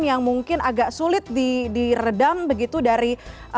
yang mungkin agak sulit di redam begitu dari